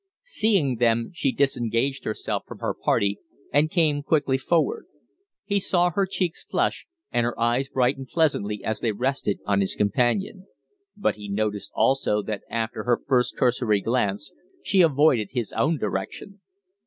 Seeing them, she disengaged herself from her party and came quickly forward. He saw her cheeks flush and her eyes brighten pleasantly as they rested on his companion; but he noticed also that after her first cursory glance she avoided his own direction.